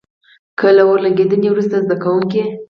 که له اور لګېدنې وروسته زده کوونکي.